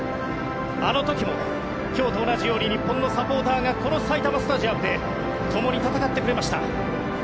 あの時も、今日と同じように日本のサポーターがこの埼玉スタジアムで共に戦ってくれました。